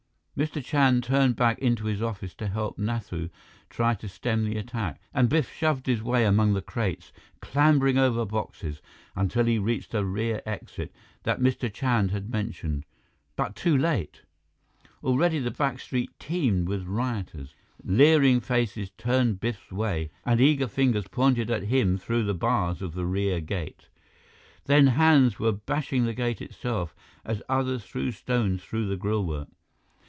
Mr. Chand turned back into his office to help Nathu try to stem the attack, and Biff shoved his way among the crates, clambering over boxes, until he reached the rear exit that Mr. Chand had mentioned, but too late. Already, the back street teemed with rioters. Leering faces turned Biff's way, and eager fingers pointed at him through the bars of the rear gate. Then hands were bashing the gate itself as others threw stones through the grillwork.